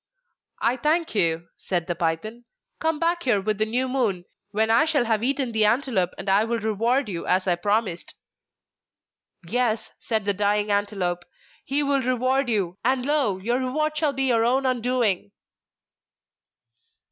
'I thank you,' said the python; 'come back here with the new moon, when I shall have eaten the antelope, and I will reward you as I promised.' 'Yes,' said the dying antelope, 'he will reward you, and lo! your reward shall be your own undoing!